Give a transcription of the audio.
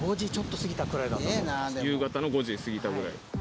夕方の５時過ぎたぐらい。